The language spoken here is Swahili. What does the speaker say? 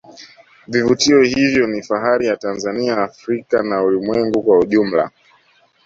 vivutio hivyo ni fahari ya tanzania africa na ulimwengu kwa ujumla